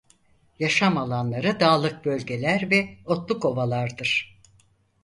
Yaşam alanları dağlık bölgeler ve otluk ovalardır.